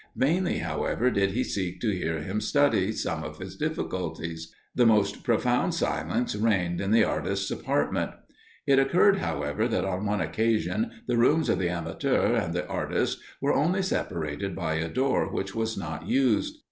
Vainly, however, did he seek to hear him study some of his difficulties the most profound silence reigned in the artist's apartment. It occurred, however, that on one occasion the rooms of the amateur and the artist were only separated by a door which was not used.